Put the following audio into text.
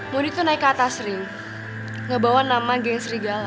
mondi tuh naik ke atas ring ngebawa nama geng serigala